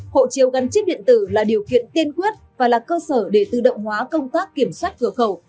hộ chiếu gắn chip điện tử là điều kiện tiên quyết và là cơ sở để tự động hóa công tác kiểm soát cửa khẩu